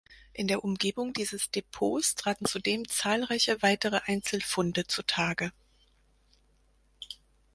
In der Umgebung dieses Depots traten zudem zahlreiche weitere Einzelfunde zutage.